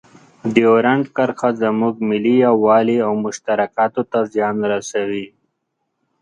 ډیورنډ کرښه زموږ ملي یووالي او مشترکاتو ته زیان رسوي.